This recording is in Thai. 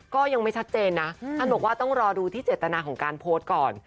ก็ยังไม่ชัดเจนนะท่านบอกว่าต้องรอดูที่เจตนาของการโพสต์ก่อน